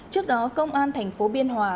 trước đó công an thành phố biên hòa